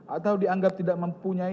atau dianggap tidak mempunyai